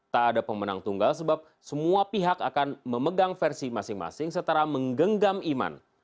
tak ada pemenang tunggal sebab semua pihak akan memegang versi masing masing setara menggenggam iman